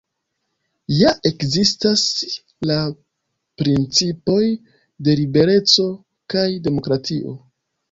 Ja ekzistas la principoj de libereco kaj demokratio.